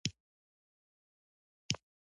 الوتکه انسان د آسمان له ښکلا سره اشنا کوي.